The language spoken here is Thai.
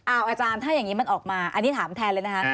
อาจารย์ถ้าอย่างนี้มันออกมาอันนี้ถามแทนเลยนะคะ